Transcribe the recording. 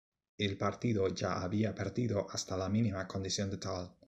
El partido ya había perdido hasta la mínima condición de tal.